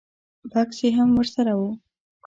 بکس یې هم ور سره و.